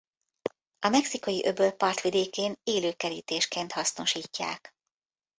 A Mexikói-öböl partvidékén élő kerítésként hasznosítják.